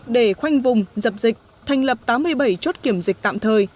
để khoanh vùng dập dịch thành lập tám mươi bảy chốt kiểm dịch tạm thời